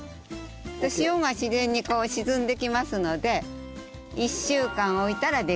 塩が自然に沈んできますので１週間置いたら出来上がりです。